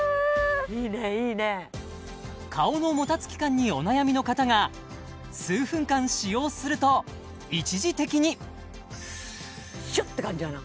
いいねいいね顔のもたつき感にお悩みの方が数分間使用すると一時的にシュッて感じやな